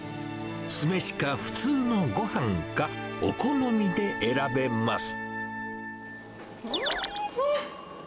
酢飯か普通のごはんか、お好みで選べます。